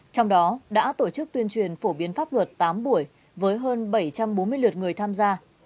trong đó đã tổ chức tuyên truyền phổ biến pháp luật tám buổi với hơn bảy trăm bốn mươi lượt người tham gia